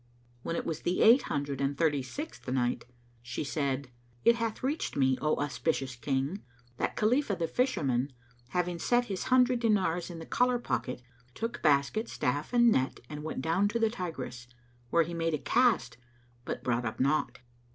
When it was the Eight Hundred and Thirty sixth Night She said, It hath reached me, O auspicious King, that Khalifah the Fisherman, having set his hundred dinars in the collar pocket took basket, staff and net and went down to the Tigris, where he made a cast but brought up naught.